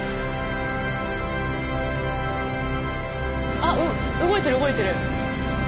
あっ動いてる動いてる。